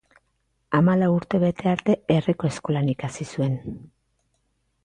Hamalau urte bete arte herriko eskolan ikasi zuen.